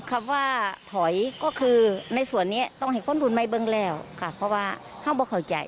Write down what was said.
แต่ไม่ถอยจากการแสดง